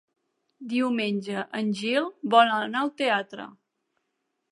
Diumenge en Gil vol anar al teatre.